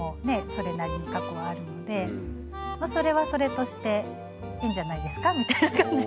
それなりに過去はあるのでそれはそれとしていいんじゃないですかみたいな感じではい。